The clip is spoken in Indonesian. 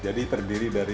jadi terdiri dari